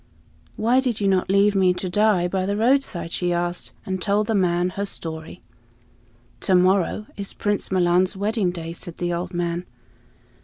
"Why did you not leave me to die by the roadside?" she asked, and told the old man her story. "To morrow is Prince Milan's wedding day," said the old man.